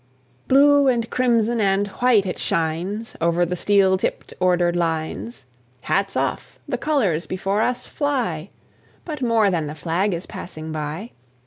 Blue and crimson and white it shines Over the steel tipped, ordered lines. Hats off! The colours before us fly; But more than the flag is passing by.